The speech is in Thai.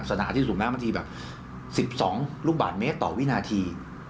ขณะที่สูบน้ำบางทีแบบ๑๒ลูกบาทเมตรต่อวินาที